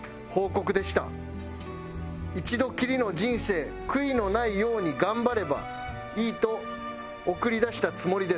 「一度きりの人生悔いのないように頑張ればいいと送り出したつもりです」